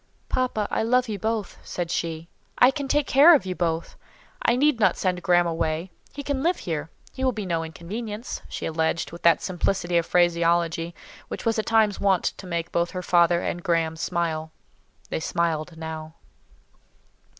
"Papa, I love you both," said she; "I can take care of you both. I need not send Graham away—he can live here; he will be no inconvenience," she alleged with that simplicity of phraseology which at times was wont to make both her father and Graham smile. They smiled now.